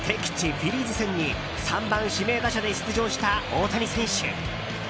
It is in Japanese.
フィリーズ戦に３番、指名打者で出場した大谷選手。